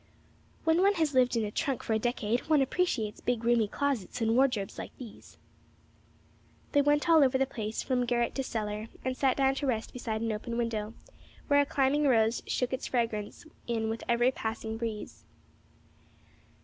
"When one has lived in a trunk for a decade, one appreciates big, roomy closets and wardrobes like these." They went all over the place, from garret to cellar, and sat down to rest beside an open window, where a climbing rose shook its fragrance in with every passing breeze.